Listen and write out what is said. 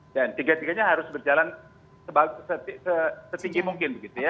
dan tiga tiganya harus berjalan setinggi mungkin begitu ya